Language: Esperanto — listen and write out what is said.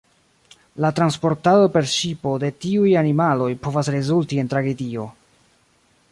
La transportado per ŝipo de tiuj animaloj povas rezulti en tragedio.